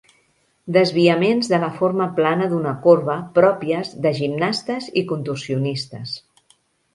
Desviaments de la forma plana d'una corba pròpies de gimnastes i contorsionistes.